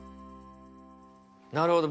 なるほど。